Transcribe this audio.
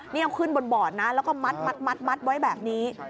นี่เอาขึ้นบนบอดนะแล้วก็มัดไว้แบบนี้